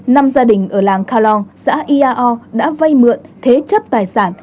năm gia đình ở làng kha long xã iao đã vây mượn thế chấp tài sản